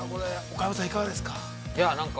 岡山さん、いかがでしたか。